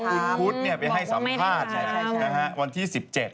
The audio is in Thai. คุณพุทธไปให้สัมภาษณ์วันที่๑๗